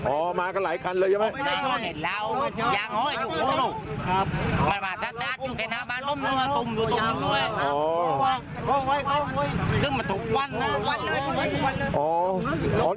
โอมาก็หลายคันเลยไหม